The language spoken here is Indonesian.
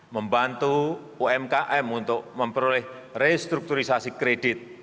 membantu umkm untuk memperoleh restrukturisasi kredit